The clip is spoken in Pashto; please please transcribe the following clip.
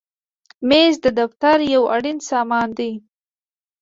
مېز د دفتر یو اړین سامان دی.